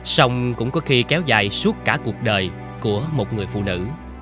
xong cũng có khi kéo dài suốt cả cuộc đời của một người phụ nữ